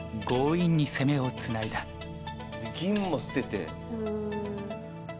銀も捨てて。